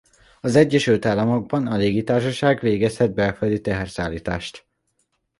Az Egyesült Államokban a légitársaság végezhet belföldi teherszállítást.